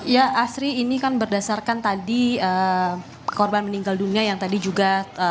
ya asri ini kan berdasarkan tadi korban meninggal dunia yang tadi juga